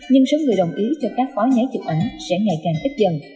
nhưng số người đồng ý cho các phó nhái chụp ảnh sẽ ngày càng ít dần